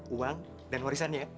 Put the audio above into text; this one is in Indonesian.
uang dan warisannya